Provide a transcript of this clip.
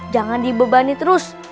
jangan dibebani terus